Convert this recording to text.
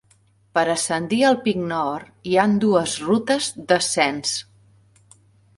Per ascendir al pic Nord hi ha dues rutes d'ascens.